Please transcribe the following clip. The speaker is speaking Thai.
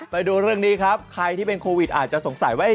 ไปดูเรื่องนี้ครับใครที่เป็นโควิดอาจจะสงสัยว่า